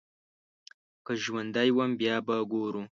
که ژوندی وم بيا به ګورو.